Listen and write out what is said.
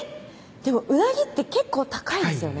でも鰻って結構高いですよね